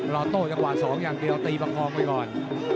โต้จังหวะ๒อย่างเดียวตีประคองไปก่อน